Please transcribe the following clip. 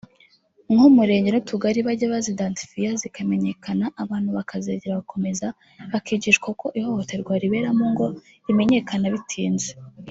nk’umurenge n’utugari bajye bazidantifiya zikamenyekana abantu bakazegera bagakomeza bakigishwa kuko ihohoterwa ribera mu ngo rimenyekana bitinze